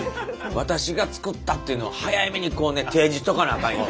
私が作ったっていうのを早めにこうね提示しとかなあかんよ。